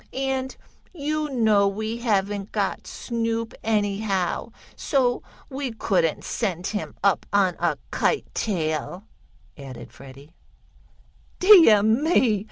And you know we haven't got Snoop, anyhow, so we couldn't send him up on a kite tail," added Freddie. "Deah me!